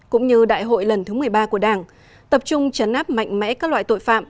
cũng như đại hội lần thứ một mươi ba của đảng tập trung chấn áp mạnh mẽ các loại tội phạm